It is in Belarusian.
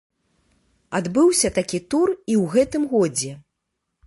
Адбыўся такі тур і ў гэтым годзе.